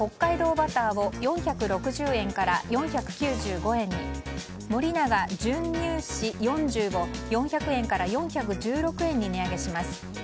バターを４６０円から４９５円に森永純乳脂４０を４００円から４１６円に値上げします。